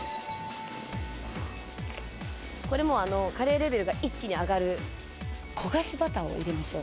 「これもカレーレベルが一気に上がる焦がしバターを入れましょう」